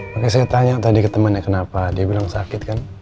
makanya saya tanya tadi ke temannya kenapa dia bilang sakit kan